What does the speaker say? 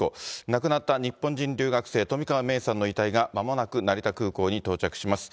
亡くなった日本人留学生、冨川芽生さんの遺体がまもなく成田空港に到着します。